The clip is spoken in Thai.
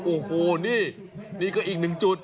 โอ้โหนี่นี่ก็อีกหนึ่งจุด